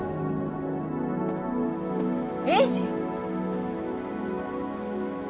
栄治！？